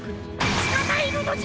つかまえるのじゃ！